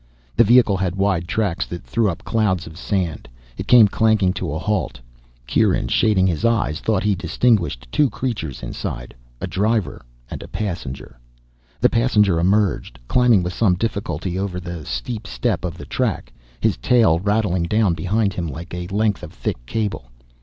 The vehicle had wide tracks that threw up clouds of sand. It came clanking to a halt. Kieran, shading his eyes, thought he distinguished two creatures inside, a driver and a passenger. The passenger emerged, climbing with some difficulty over the steep step of the track, his tail rattling down behind him like a length of thick cable.